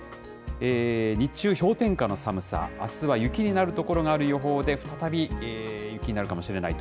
日中、氷点下の寒さ、あすは雪になる所がある予報で、再び雪になるかもしれないと。